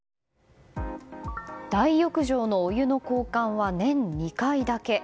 大浴場のお湯の交換は年に２回だけ。